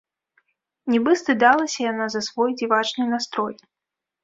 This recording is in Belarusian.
Нібы стыдалася яна за свой дзівачны настрой.